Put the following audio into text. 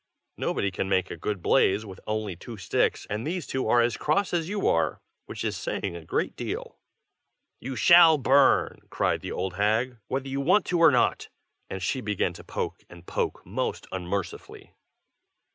nobody can make a good blaze with only two sticks, and these two are as cross as you are, which is saying a great deal." "You shall burn!" cried the old hag, "whether you want to or not!" and she began to poke and poke most unmercifully.